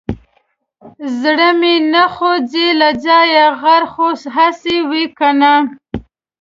زړه مې نه خوځي له ځايه غر خو هسې وي کنه.